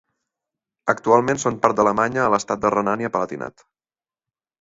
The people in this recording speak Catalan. Actualment són part d'Alemanya a l'estat de Renània-Palatinat.